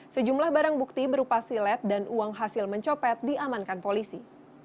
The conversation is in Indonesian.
sejumlah barang bukti berupa silet dan uang hasil mencopet diamankan polisi